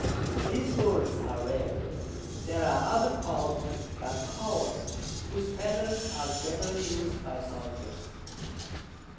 These Birds are rare. There are others call'd Garcolos, whose Feathers are generally us'd by Soldiers.